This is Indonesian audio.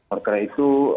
oleh karena itu